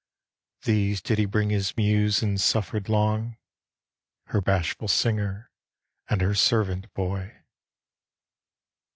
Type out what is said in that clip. These did he bring his muse, and suffered long, Her bashful singer and her servant boy."